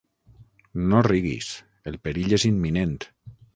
No riguis: el perill és imminent.